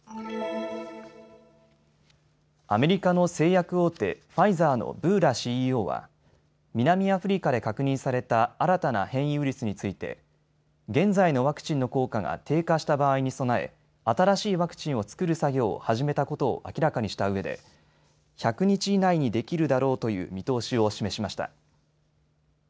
アメリカの製薬大手、ファイザーのブーラＣＥＯは南アフリカで確認された新たな変異ウイルスについて現在のワクチンの効果が低下した場合に備え新しいワクチンを作る作業を始めたことを明らかにしたうえで１００日以内にできるだろうという見通しを示しました。